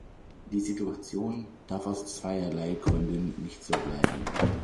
Die Situation darf aus zweierlei Gründen nicht so bleiben.